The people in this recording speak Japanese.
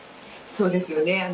そうですよね。